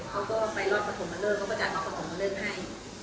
เขาก็ไปรอดประถมเมลิกเขาก็จัดรอดประถมเมลิกให้